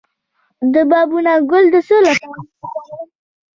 د بابونه ګل د څه لپاره وکاروم؟